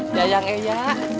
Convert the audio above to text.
ya yang ee ya